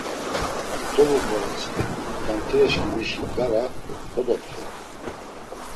Dovuǩoretsi, damtireşǩimişi bgara kodopxedi.